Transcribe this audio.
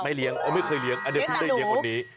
เลี้ยงไม่เคยเลี้ยงอันนี้เพิ่งได้เลี้ยงคนนี้